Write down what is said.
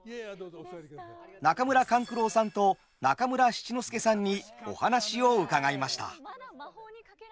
中村勘九郎さんと中村七之助さんにお話を伺いました。